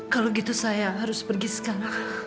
kalau gitu saya harus pergi sekarang